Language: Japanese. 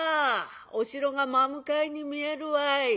お城が真向かいに見えるわい。